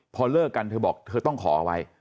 พอเลิกกันเธอบอกเธอต้องขอไว้